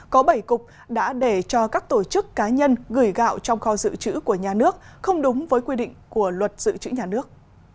có bảy cục đã để cho các tổ chức cá nhân gửi gạo trong kho dự trữ của nhà nước không đúng với quy định của luật dự trữ nhà nước